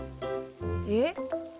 えっ？